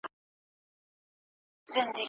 د خصوصي سکتور ونډه هم اړینه ده.